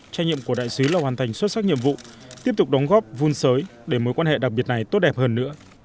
trách nhiệm của đại sứ là hoàn thành xuất sắc nhiệm vụ tiếp tục đóng góp vun sới để mối quan hệ đặc biệt này tốt đẹp hơn nữa